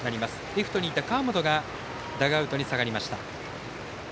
レフトにいた川元がダグアウトに下がりました。